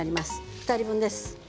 ２人分です。